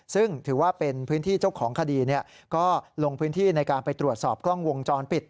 ซึ่งถือว่าเป็นพื้นที่เจ้าของคดีก็ลงพื้นที่ในการไปตรวจสอบกล้องวงจรปิด